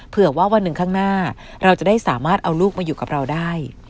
เผื่อว่าวันหนึ่งข้างหน้าเราจะได้สามารถเอาลูกมาอยู่กับเราได้